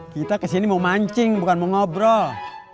kita kesini mau mancing bukan mau ngobrol